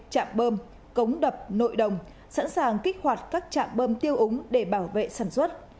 chạm bơm cống đập nội đồng sẵn sàng kích hoạt các trạm bơm tiêu úng để bảo vệ sản xuất